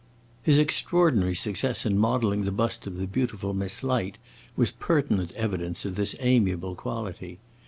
His extraordinary success in modeling the bust of the beautiful Miss Light was pertinent evidence of this amiable quality.